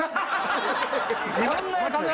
自分のやつ。